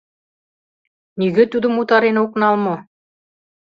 Нигӧ тудым утарен ок нал мо?